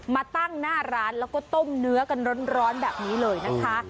มาตั้งหน้าร้านแล้วก็ต้มเนื้อกันร้อนแบบนี้เลยนะคะ